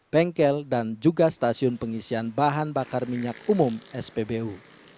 bengkel dan juga stasiun pengisian bahan bakar minyak umum spbu